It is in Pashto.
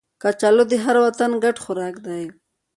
کچالو د هر وطن ګډ خوراک دی